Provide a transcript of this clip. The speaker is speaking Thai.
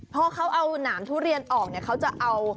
พอเขาเอาน้ำทุเรียนออกเขาจะเอา